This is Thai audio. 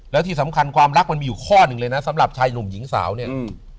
แล้วที่สำคัญความรักมันมีอยู่ข้อหนึ่งเลยนะสำหรับชายหนุ่มหญิงสาวเนี่ยอืม